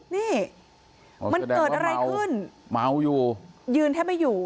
นี่มันเกิดอะไรขึ้นเมาอยู่ยืนแทบไม่อยู่